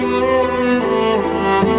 suara kamu indah sekali